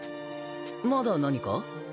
まだ何か？